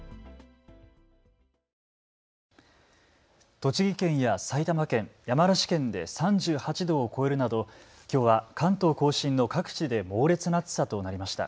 栃木県や埼玉県、山梨県で３８度を超えるなどきょうは関東甲信の各地で猛烈な暑さとなりました。